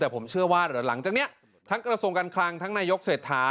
แต่ผมเชื่อว่าเดี๋ยวหลังจากนี้ทั้งกระทรวงการคลังทั้งนายกเศรษฐา